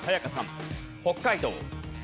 北海道。